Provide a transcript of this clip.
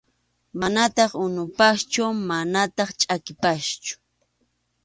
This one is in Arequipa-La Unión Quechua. Manataq unupaschu manataq chʼakipaschu.